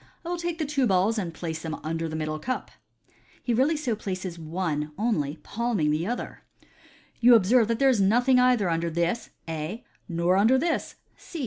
I will take the two balls, and place them under the middle cup." He really so places one only, palming the other. " You observe that there is nothing either under this (A), nor under this (C)."